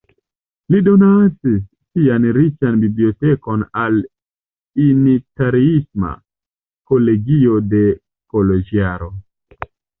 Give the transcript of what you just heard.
Li donacis sian riĉan bibliotekon al unitariisma kolegio de Koloĵvaro.